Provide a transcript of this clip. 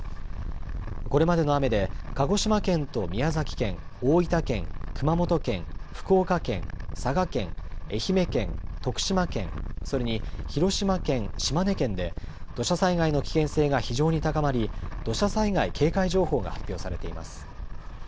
これまでの雨で鹿児島県と宮崎県、大分県、熊本県、福岡県、佐賀県、愛媛県、徳島県それに広島県、島根県で土砂災害の危険性が非常に高まり、土砂災害警戒情報が発表されています。